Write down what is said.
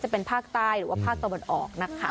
จะเป็นภาคใต้หรือว่าภาคตะวันออกนะคะ